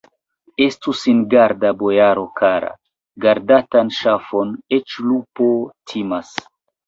Estu singarda, bojaro kara: gardatan ŝafon eĉ lupo timas!